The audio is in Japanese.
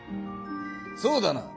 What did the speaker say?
そうだな。